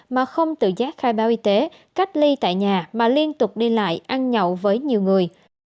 mà không tự giác khai báo y tế cách ly tại nhà mà liên tục đi lại ăn nhậu với nhiều người